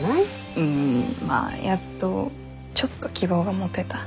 うんまあやっとちょっと希望が持てた。